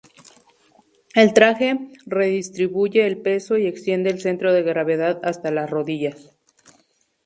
El traje redistribuye el peso y extiende el centro de gravedad hasta las rodillas.